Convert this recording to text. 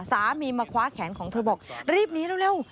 สามีมาคว้าแขนของเธอบอกรีบหนีเร็ว